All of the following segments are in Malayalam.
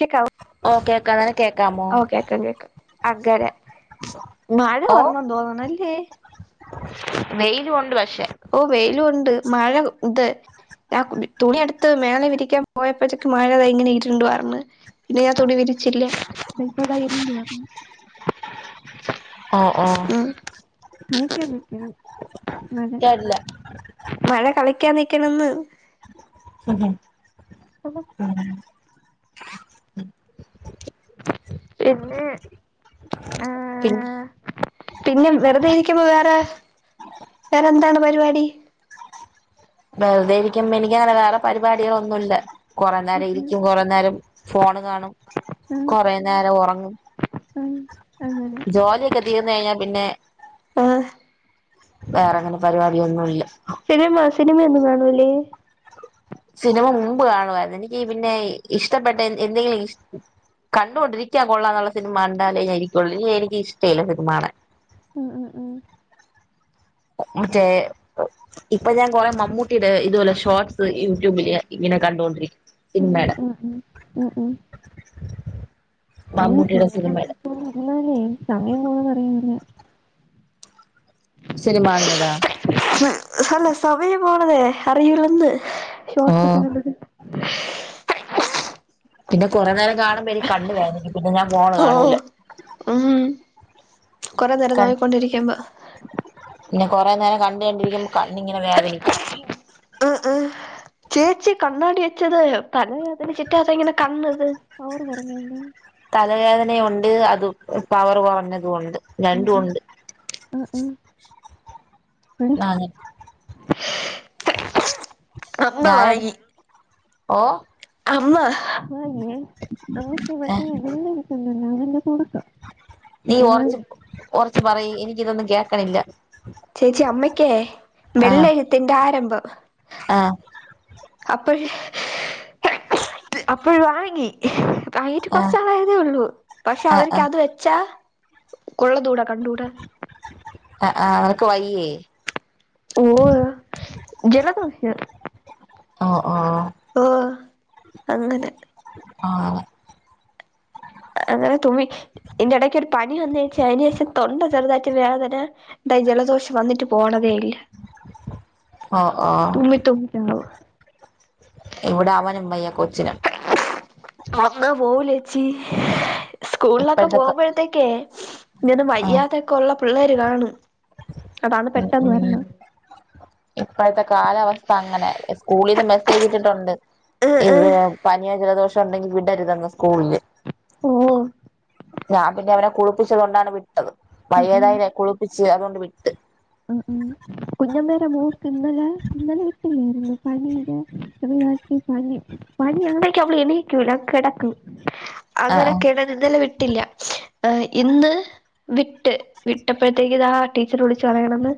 കേക്കാവോ ഓക്കെ ഓക്കെ [unintelligible] ഓ കേക്കാം കേക്കാം അങ്ങനെ മഴ വന്നു തോന്നുന്നില്ലേ വെയില് കൊണ്ട് വെ ഓ വെയിലുംണ്ട് മഴ ഇത് തുണി അടുത്ത് മേളെ വിരിക്കാൻ പോയപ്പോഴത്തക്ക് മഴ ത ഇങ്ങനെ ഇരുണ്ട് വര്ണ്, പിന്നെ ഞാൻ തുണി വിരിച്ചില്ല. അത ഇപ്പൊതാ ഇന്ന് വര [unintelligible] ഉ കളിക്കാിക്ക മഴ കേട്ടില്ല. മഴ കള കിക്കാ നക്കണംന്ന് ഉ ഉ പിന്നെ ആ പിന്നെ പിന്നെ വെറുതെ ഇനരിക്കുമ്പോ വേറെ വേറെ എന്താണ് പരിപാടി വെറുതെ ഇരിക്കുമ്പ എനിക്കങ്ങനെ വേറെ പരിപാടികളൊ ഒന്നുമ ഇല്ല കൊറെേ നേരം ഉം ഇരിക്കും കൊറേ നേരം ഫോണ് കാണും ഉം ഉം കൊറ നേരം ഉറങ്ങും ഉം അങ്ങനെ ജോലിയൊക്കെ തീർന്ന കഴിഞ്ഞാ പിന്നെ ആഹ് വേറെങ്ങനെ പരിപാടിയൊന്നുമല്ല സിനിമയന്നും കാണൂലേ സിനിമ മുമ്പ് കാണുവമായിരുന്നു എനിക്ക് പിന്നെ ഇഷ്ടപ്പെട്ട എന്തെങ്കിലും കണ്ടൊണ്ടിരിക്കാൻ കൊള്ളാംന്നുള്ള സിനിമ ഉണ്ടാലേ ഞ ഇരിക്കുള്ളനി എനിക്ക് ഇഷ്ടമല്ല സിനിമണ് ഉ ഉം ഉം മറ്റേ ഇപ്പൊ ഞാൻ കൊറ മമ്മൂട്ടിയുടെ ഇതുപോലെ ഷോർട്സ് യൂട്യൂബില് െ കണ്ടോണ്ടി ഉ ഉ ഉ ഉ ഉ മമ്മൂട്ടിയുടെ ഫോണിലൊക്കെ സിനിമല്ല എപ്പോഴും ഇരുന്നാലേ സമയം പോണത് അറിയൂല സിനിമാണുന്നതാ അല്ല സമയം പോണതേ അറിയൂലന്ന് ഓ ഷോർട്ടസ് ഒക്കെ കണ്ടക്ക പിന്നെ കുറെേ നേരം കാണുമ്പോൾ എനി കണ്ടുുവായിനനിക്ക് പിന്നെ ഞാൻ പോണ ഓ കാണൂല കുറെേ നേരം നോയിക്കൊണ്ടിരിക്ക്പ പിന്നെ കൊറെേ നേരം കണ്ടുകണ്ടിരിക്കുമ്പ കണ്ണിങ്ങനെ വേദനിക്കും ആഹ് ആഹ് ചേച്ചി കണ്ണാടി വെച്ചത് പല അതിന് ചിറ്റ അത ഇങ്ങനെ കണ്ണത് അവ തലവേദനുണ്ട് അത് പവർ കുറഞ്ഞതും ഉണ്ട് ഉം രണ്ടും ഉം ഉണ്ട് ഉം ഉം എടി ആ അമ്മ വി ഓ അമ്മ ആയെ അമ്മക്ക മറ്റേ വള്ള ഇക്കണ്ടല്ല അ കൂടു നീ ഉറച്ച് ഉറച്ച് പറയി എനിക്ക ഇതൊന്നും കേക്കണില്ല ചേച്ചി അമ്മയ്ക്കേ വെള്ളെഴുത്തിന്റെ ആരംഭം ആഹ പ [unintelligible] അപ്പോഴ വാങ്ങി വാങ്ങീട്ട് ആഹ് കൊറച്ചാളായതേ ഉള്ളൂ പക്ഷെ ആഹ് അവർക്ക് ആഹ് അത് വെച്ചാ കൊള്ളതൂടാ കണ്ടൂടാ ആ ആ് നിനക്ക് വയ്യേ ഓ ജല ത ആഹ അങ്ങനെ ആഹ അങ്ങനെ തുമി എന്റെ ഇടയ്ക്ക്ൊ ഒരു പണി വന്നഴച്ചാ അതിനന്േഷം തൊണ്ട ചെറുതായിട്ട് വോദന എന്താ ജലദോഷം വന്നിട്ട് പോണതേ ഇല്ല ഓ ഓ തുമ്മി തുമ്മിട്ടാവും എവ്ടെ അവനും വയ്യ കൊച്ചിന് അമ്മ പോലച്ചി കൂളിലൊക്കെ ഇപ്പോഴത്തെക്കെ പോകുമ്പോഴത്തേക്കേ ഞ്ഞൊന്ന് ആ മര്യാദതൊക്കെള്ള പിള്ളേര് കാണും അതാണ് ഉം പെട്ടെന്ന് ഉം വെരണ. ഇപ്പോഴത്തെ കാലാവസ്ഥ അങ്ങനെ സ്കൂളിന്നും ബ [unintelligible] ട്ടുണ്ട്. ആഹ് ഇത് ആഹ് പനിം ജലദോഷംണ്ടെങ്കി വിടരുതെന്ന് സ്കൂളില്. ഓ ഞാൻ പിന്നവനെ കുളിപ്പിച്ച് കൊണ്ടാണ് വിട്ടത്, വയ്യാതായലെ കുളിപ്പിച്ച് അതോണ്ട് വിട്ട്. ആ ആ കുഞ്ഞമ്മടെ മോക്ക് ന്നലെ ഇന്നലെ വിട്ടില്ലേരുന്നു പനിടേ പനി പനി പനിഅങ്ങടേക്ക അവള് എണീക്കൂല കെടക്കും. ആ അങ്ങനൊക്കെണ് ഇന്നലെ വിട്ടില്ല. ഇന്ന് വിട്ട് വിട്ടപ്പോഴത്തേക്ക്താ ടീച്ചർ വിളിച്ചു പറയണന്ന്.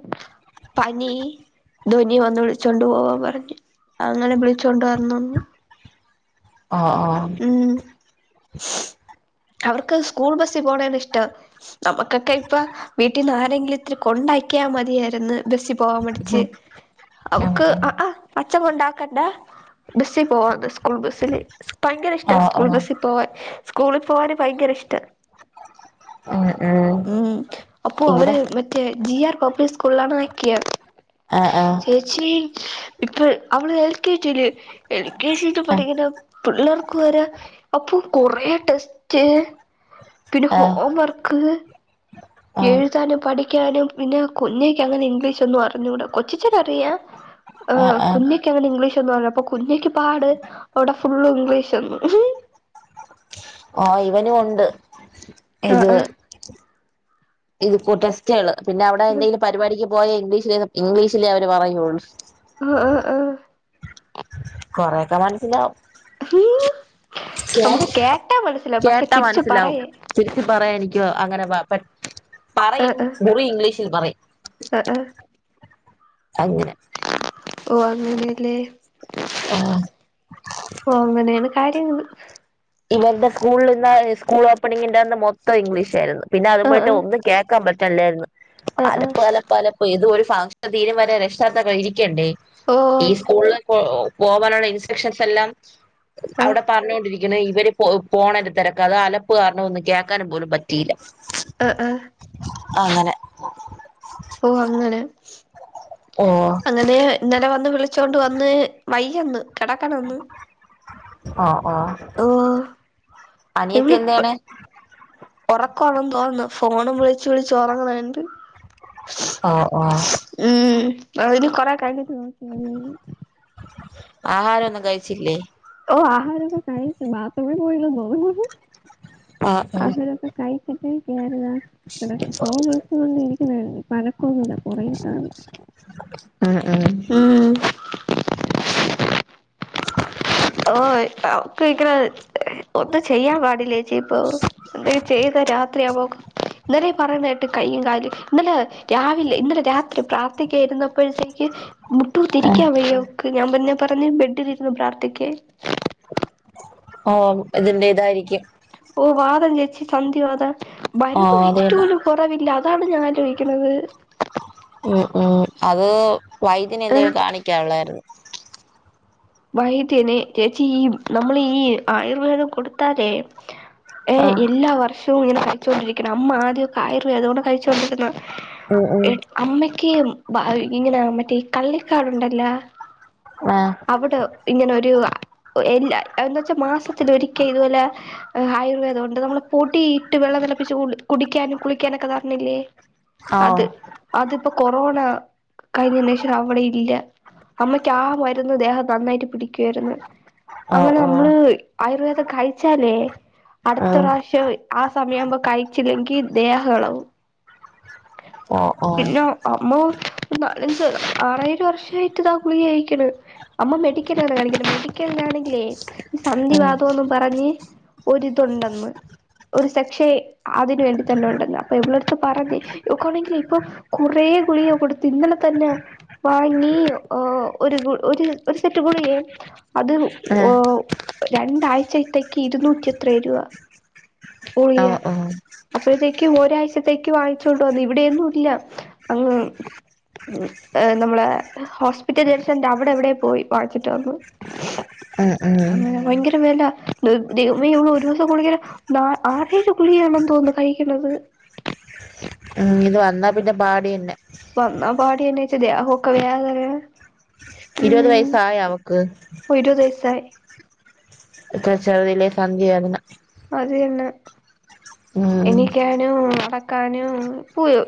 പനീ ധ്വനി വന്ന് വിളിച്ചോണ്ട് പോവാ പറഞ്ഞ് അങ്ങനെ വിളിച്ചോണ്ട് വന്നൂ. ആ ആ ആ അവർക്ക് സ്കൂൾ ബസിൽ പോണതിഷ്ടാ. നമുക്കൊക്കെ ഇപ്പ വീട്ടിന്നാരെങ്കിലും ഇത്തിരി കൊണ്ടാക്കിയാ മതിയേരുന്നു. ബസ്സി പോവാൻ മടിച്ച് അവക്ക് അ അ അ അച്ച കൊണ്ടാക്കണ്ട, ബസ്സി പോവാന്ന് സ്കൂൾ ബസ്സില്, ഭയങ്കരി ഷ്ട ഓ ഓ ഓ ഓ സ്കൂൾ ബസ്സിൽ പോവാൻ. സ്കൂളിൽ പോവാന് ഭയങ്കരി ഷ്ട. ഉം അപ്പൊ ഇവിടെ അവര് മറ്റേ ജി ആർ പബ്ലി സ്കൂളിലാണാ ക്കിയർ ആ ആ ചേച്ചീ ഇപ്പ അവള് എൽ കെജില്, എൽ കെ സി ക് ആ പഠിക്ക്ന ങ്ങള് വ്ക്ക് വരാ അപ്പൊ കൊറേ ടെസ്റ്റ് പിന്നെ ആ ഹോം വർക്ക് ആ എഴുതാനും പാടി ക്യാനും പിന്നെ കുഞ്ഞേക്ക ങ്ങനെ ഇഗ്ലീഷൊന്നും അറിഞ്ഞൂടാ, കൊച്ചച്ഛനറിയാ. ആ ആ കുഞ്ഞക്കങ്ങനെ ഇംഗ്ലീഷൊന്നും പറഞ്ഞു അപ്പൊ കുഞ്ഞക്ക് പാട് അടെ ഫുള്ള് ഇംഗ്ലീഷെന്ന് ആ ഇവനുണ്ട് ആഹ് ഇത്. ആഹ് ഇത് കൂ ടെസ്റ്റേള് പിന്നെവടെ ന്തേലും പരിപാടിക്ക് പോയ ഇംഗ്ലീഷില് ഇംഗ്ലീഷിലേ അവര് പറയു. ആ ആ ആ കൊറേക്കെ മനസിലാവും. ഹും കേ കേട്ടാ തിരിച്ച് മനസ്സിലാവും പറയാൻ തിരിച്ച് പറയാൻ എനിക്ക് വ അങ്ങനെ പ പെ പറിം ആഹ് ആഹ് മുറി ഇംഗ്ലീഷിൽ പറിം. ആഹ് ആഹ് അങ്ങനെ ഓ അങ്ങനേ ല്ലേ ഓ അങ്ങനേണ്. കാര്യങ്ങള്. ഇവര്ടെ സ്കൂള്ന്ന് സ്കൂൾ ഓപ്പണിങ്ങിന്റെന്ന് മൊത്തം ഇംഗ്ലീഷേര്ന്നു. പിന്നെ അതു ആഹ് പോയിട്ട് ആഹ് ഒന്ന് കേ ാൻ പറ്റല്ലേരുന്നു. ആഹ് ആഹ് അലപ്പ് അലപ്പ് അലപ്പ് ഏതോരു ഫാഷാത്ത തീരം വരെ രക്ഷാർത്തം രിക്കണ്ടേ? ഈ ഓഹ് സ്കൂളില് പോ പോവാനുള്ള ഇൻസ്ട്രക്ഷൻസെല്ലാം ആഹ് അവിടെ പറഞ്ഞൊണ്ടിരി ഇന്ന് ഇവര് പോ പോണെന്റെ തിരക്ക് അതലപ്പ് കാരണൊന്നും കേൾക്കാനും പോലും പറ്റീല്ല. അ ആ ആ ങ്ങനെ ഓ അങ്ങനെ ഓ അങ്ങനേ ഇന്നലെ വന്ന് വിളി ച്ചോണ്ട് വന്ന് വയ്യെന്ന്. കെടക്കണൊന്ന് ഓ ഓ ഓ അനിയത്തി ഇവളിപ്പം എന്താണ് ഒറക്കാണ് തോന്നുന്നു. ഓണം വിളിച്ചു വിളിച്ചോറങ്ങണ് ണ്ട്. ഓ ഓ അയിന് കൊറേ കയിഞ്ഞിട്ട് ൻ ആഹാരംന്നും കഴിച്ചില്ലേ ഓ ആഹാരൊക്കെ കഴിക്കും. ബാത്‌റൂമിൽ പോയില്ലേ ന്നെ ഒള്ളൂ. ആ ആ ബാക്കി ഒക്കെ [unintelligible] കുറതാണ് ആ ആ ഓഹ് കഴിക്കണത് ഒന്ന് ചെയ്യാൻ പാടില്ല ചേച്ചി ഇപ്പോ എന്തോ ചെയ്ത രാത്രിയാുമ്പോക്ക് ഇന്നലെ പറയാനായിട്ട് കയ്യും കാലും ഇന്നലെ രാവിലെ ഇന്നലെ രാത്രി പ്രാർത്ഥിക്കായിരുന്നപ്പോഴത്തേക്ക് മുട്ടു തിരിക്കാ വയ്യക്ക് ഞാൻ പറന്നെ പറഞ്ഞ് ബെഡിലിന്ന് പ്രാർത്ഥിക്കേ ഓ ഇതിന്റെ ഇതായിരിക്കും വാതം സന്ധിവാതം ആ മാരുന്ന് കഴിച്ചിട്ട് അതന്നെ പോലും കുറവില്ല അതാണ് ഞാൻ ആലോചിക്കുന്നത് ഉം ഉം അത് വൈദ്യന് ഏഹ് എന്തെങ്കിലും കാണിക്കാനുള്ളതായിരുന്നു വൈദ്യനെ ചേച്ചി ഈ നമ്മള് ഈ ആയുർവേദം കൊടുത്താലേ ഏ ആ എല്ലാ വർഷവും ഇങ്ങനെ കഴിച്ചൊണ്ടിരിക്കണ അമ്മ ആദ്യ കായറ അതുകൊണ്ട് കഴിച്ചോൊണ്ടിരിക്കുന്ന ഉം ഉം അമ്മക്ക് ഇങ്ങനെ മറ്റേ കള്ളിക്കാടുണ്ടല്ല ആഹ് അവിടെ ഇങ്ങനെൊരു എല്ല എ വച്ചാൽ മാസത്തില ഒരിക്കൽ ഇതുപോലെ ആയുർവേദംണ്ട് നമ്മള് പൊടിയിട്ട് വെള്ളം വെള്ളം കുടിക്കാനും കുളിക്കാനക്കെേ ഓ അത് കൊറോണ കഴിഞ്ഞ് ശേഷം അവിടെ ഇല്ല അമ്മയ്ക്ക് ആ മരുന്ന് ദേഹം നന്നായിട്ട് പിടിക്കുായിരുന്നു ഓ അങ്ങനെ ഓ നമ്മള് ആയുർവേദം കഴിച്ചാലേ അടുത്ത ഉം പ്രാവശ്യം ആ സമയ ആുമ്പോ കഴിച്ചില്ലെങ്കി ദേഹകളവും ആഹ് പിന്നെ അമ്മ നാലഞ്ച് ആറേഴ് വർഷാ യിട്ട്താ ഗുളിക കായിക്കണ് അമ്മ മെഡിക്കൽെ കാണിക്ക മെഡിക്കൽാണെങ്കിലേ ഈ സന്ധി വാദംന്നും പറഞ്ഞ് ഒരിതുണ്ടെന്ന് ഒരു സെക്ഷൻ അതിനുവേണ്ടി തന്നെ ഉണ്ടെന്ന് അപ്പൊ ഇവിടെ അടുത്ത് പറഞ്ഞേക്കവാണെങ്കിൽ ഇപ്പൊ കൊറേ ഒേ ഗുളിയ കൊടുത്തു ഇന്നലെതന്നെ വാങ്ങി ഒരു ഒരു ഒരു സെറ്റ് ഗുളിക അത് ആ രണ്ടാഴ്ചത്തേക്ക് ഇരുന്നൂറ്റി എത്ര രൂപ ഓ ഓ അപ്പഴത്തേക്ക് ഒരാഴ്ചത്തേക്ക് വാങ്ങിച്ചോണ്ട് വന്ന് ഇവിടെന്നും ഇല്ല അങ്ങ് നമ്മളെ ഹോസ്പിറ്റലേഷൻ അവിടെ എവിടെ പോയി വായിച്ചിട്ട് വന്നു ഉം ഉം മെയൂ ഒരു ദിവസം ഗുളിക ആറേഴ് ഗുളികയാണ തോന്നുന്നു കഴിക്കണത് ഉം ഇത് വന്നാ പിന്നെ പാടന്നെ വന്നാ പാടെന്നച്ച ദേഹ ഒൊക്കെ വേതന ഇരുപത് വയസായ അവക്ക് സായ് എത്ര ചെറതില്ലേ സന്ധി വേദന അത് ന്നെ ഉം എനിക്കാണ് നടക്കാനും ഇ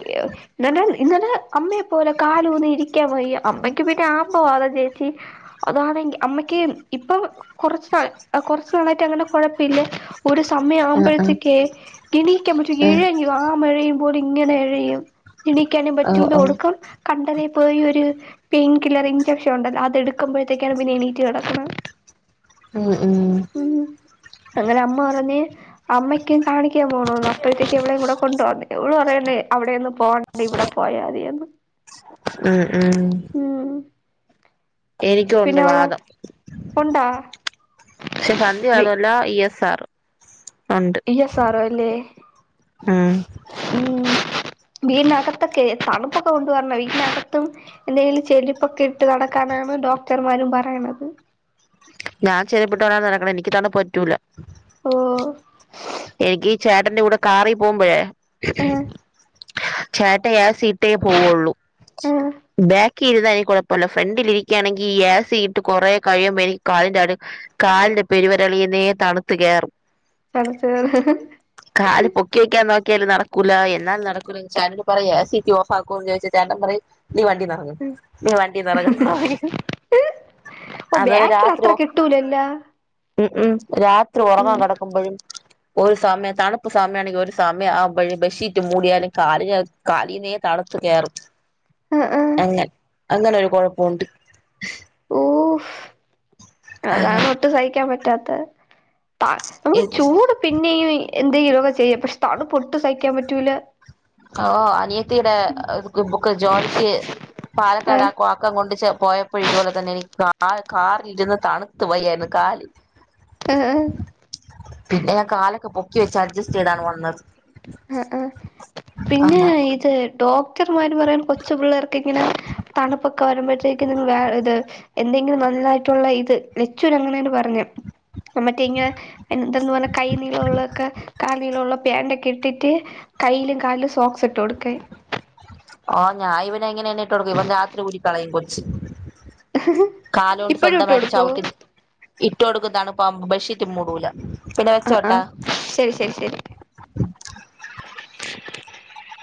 ഇന്നലെ അമ്മയെ പോലെ കാലൂന്ന് ഇരിക്കാൻ പോ അമ്മയ്ക്ക് പിന്നെ ആമ വാതം ചേച്ചി അതാണെങ്കിൽ അമ്മയ്ക്ക് ഇപ്പൊ കുറച്ച് നാൾ കുറ നായിട്ട് അങ്ങനെ കുഴപ്പല്ല ഒരു സമയം ആഹ് ആവുമ്പോഴത്തേക്കെ ഇിണീക്കാൻ പറ്റും ആഹ് ഇഴഞ്ഞു ആ മഴയും പോലെ ഇങ്ങനെ ഇഴയും ഇിണീക്കാനേും ആഹ് ഓഹ് പറ്റൂല ഓഹ് ഒടുക്കം കണ്ടന പോയി ഒരു പെയിൻ കില്ലർ ഇൻചെക്ഷൻ ഉണ്ടല്ലോ അതെടുക്കുമ്പോഴത്തേക്കാണ് പിന്നെ എണീറ്റ് കിടക്കുന്നത് ഉം ഉം ഉം അങ്ങനെ അമ്മ പറഞ്ഞ് അമ്മക്കും കാണിക്കണ പോണന്ന് അപ്പോഴത്തേക്ക് എവിടെയും കൂടെ കൊണ്ട് വന്നേ എവി പറയണേ അവിടെയ ഒന്ന് പോകണ്ടേ ഇവിടെ പോയാ മതിന്ന് ഉം ഉം എനിക്കുണ്ട് വാദം. ഉണ്ട. പക്ഷെ സന്ധ്യന്നല്ല ഇ എസ് ആർ. ഉണ്ട് എ സാറോ അല്ലേ? ഉം. ഉം. വീടിനകത്തൊക്കെ തണുപ്പൊക്കെ കൊണ്ട വരണ വീടിനകത്തും എന്തെങ്കിലും ചെടിപ്പൊക്ക ഇട്ട് നടക്കാന മ്മ ഡോക്ടർമാരും പറയണത്. ഞാൻ ചെര്പ്പ്ട്ടോണ്ട നടക്ണത് എനിക്ക് തണ്പ്പ് പറ്റൂല. ഓ. എനിക്ക്ീഈ ചേട്ടന്റെ കൂടെ കാറി പോകുമ്പോഴേ ആഹ് ചേട്ട യേസീട്ടേ പോവുള്ളൂ ആഹ് ബാക്കി ഇരുുന്നാ എനിക്ക് കുഴപ്പമില്ല ഫ്രണ്ടിലിരികാണെങ്കിൽ ഈ യാസ് ഇട്ട് കുറെേ കഴിയുമ്പോ എനിക്ക് കാലിന്റെ അടു കാലിന്റെ പെരുവരലീന്നേ തണുത്ത് കേറും. തണുത്തത് കാല് പൊക്കി വെക്കാൻനോ ൽ നടക്കൂല എന്നാലും നടക്കൂ ചാട്ടനോട് പറി യെസിറ്റി ഓഫാക്കോ ചോദിച്ച ചേട്ടൻ പറി നീ വണ്ടിനറങ്ങ് നി വണ്ടീന്നറങ്ങ് യെന്ന് പറയും. ഓ അതുപോലെ ബാക്കില് രാത്രി ഒ അത്രക്കെതൂലല്ല ഉം ഉം രാത്രി ഉറങ്ങാൻ കിടക്കുമ്പോഴും ഒരു സമയം തണുപ്പ് സമയമാണെങ്കിൽ ഒരു സമയം ആ ബെഡ്ഷീറ്റ് മൂടിയാലും കാലി കാലീനെ തണുപ്പ് കേറും. ആഹ ആഹ. അങ്ങനെ അങ്ങനെ ഒരു കുഴപ്പോണ്ട്. ഓ അതാണ് അങ്ങനെ ഒട്ടും സഹിക്കാൻ പറ്റാത്തെ ത നമുക്ക് ചൂട് പിന്നെയും എന്തെലൊക്കെ ചെയ്യാം പക്ഷെ തണു പൊട്ടു സഹിക്കാൻ പറ്റൂല ഓ അനിയത്തിയുടെ ക്ക് ജോലിക്ക് പാലക്കാട് ആ ആഹ് കാക്കം കൊണ്ട് ചെന്നു പോയപ്പോഴ ഇതുപോലെ തന്നെ എനി കാ കാറി ഇരുന്ന് തണുത് പോയേരുന്നു കാല് ഹ്ഹ്. പിന്നെ ഞാൻ കാലൊക്കെ പൊക്കി വെച്ച് അഡ്ജസ്റ്റ് ചെയ്താണ് വന്നത്. ആ ആ പിന്നെ അങ്ങനെ ഇത് ഡോക്ടർമാര് പറയാൻ കൊച് പിള്ളേർക്ക് ഇങ്ങനെ തണുപ്പൊക്കെ വരുമ്പോഴ ത് എന്തെങ്കിലും നായിട്ടുള്ള ഇത് ലച്ച [unintelligible] പർ ഞ്ഞു അമ്മക്കി ങ്ങനെ. കൈ നീള്ളൊള്ളക്കെ കാല്നീള്ള വേണ്ടക്കെ ഇട്ടിട്ട് കയ്യിലും കാലും സോക്സ് ഇട്ട് കൊടുക്ക ആഹ ഞാൻവെ എങ്ങനെ എന്നെ ഇട്ട് കൊടുക്ക ഇവൻ രാത്രി ഊരി കളയും കൊച്ച് കാലൊണ്ട് ഇപ്പഴും ഇട്ട് സ്വന്തമായിട്ട് കൊടുക്കോ ചവിട്ടി നി ഇറ്റ കൊടുക്കും തൺപ്പാവുംബോ ബഷീറ്റ് മൂടൂല. പിന്നെ ആ ആഹ വെച്ചോട്ടാ ശരി ശരി ശരി. [unintelligible]